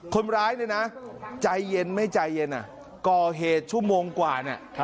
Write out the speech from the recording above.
คนร้ายใจเย็นไม่ใจเย็นก่อเหตุชั่วโมงกว่า